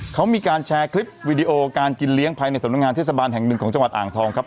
เขามีการแชร์คลิปวิดีโอการกินเลี้ยงภายในสำนักงานเทศบาลแห่งหนึ่งของจังหวัดอ่างทองครับ